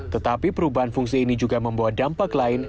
tetapi perubahan fungsi ini juga membawa dampak lain